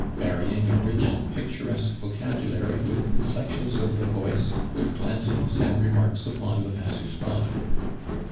varying a rich and picturesque vocabulary with inflections of the voice, with glances, and remarks upon the passers by.